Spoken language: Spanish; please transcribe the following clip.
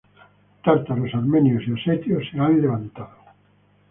Tártaros, armenios y osetios se han levantado.